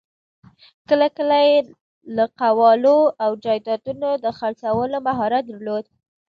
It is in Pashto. کله کله یې د قوالو او جایدادونو د خرڅلاوو مهارت درلود.